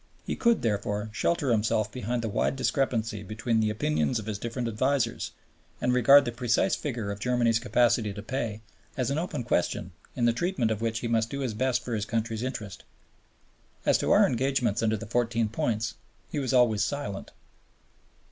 He could, therefore, shelter himself behind the wide discrepancy between the opinions of his different advisers, and regard the precise figure of Germany's capacity to pay as an open question in the treatment of which he must do his best for his country's interests. As to our engagements under the Fourteen Points he was always silent.